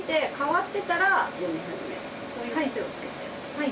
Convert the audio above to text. はい。